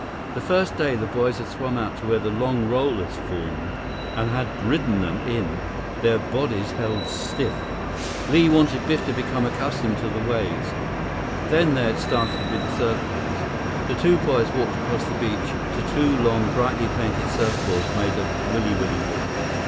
The first day, the boys had swum out to where the long rollers formed, and had ridden them in, their bodies held stiff. Li wanted Biff to become accustomed to the waves. Then they had started with the surfboards. The two boys walked across the beach to two long, brightly painted surfboards made of wiliwili wood.